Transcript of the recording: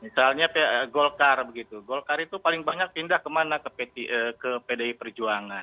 misalnya golkar begitu golkar itu paling banyak pindah kemana ke pdi perjuangan